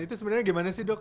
itu sebenarnya gimana sih dok